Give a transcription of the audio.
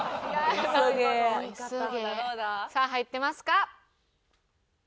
さあ入ってますか？